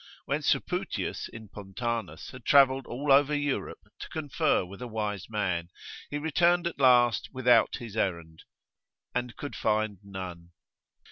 When Supputius in Pontanus had travelled all over Europe to confer with a wise man, he returned at last without his errand, and could find none.